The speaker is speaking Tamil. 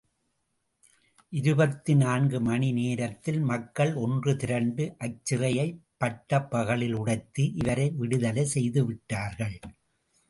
இருபத்து நான்கு மணிநேரத்தில் மக்கள் ஒன்று திரண்டு அச்சிறையைப் பட்டப் பகலில் உடைத்து இவரை விடுதலை செய்துவிட்டார்கள்.